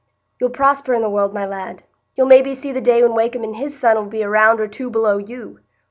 You'll prosper i' the world, my lad; you'll maybe see the day when Wakem and his son 'ull be a round or two below you.